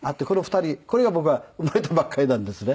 これは僕が生まれたばっかりなんですね。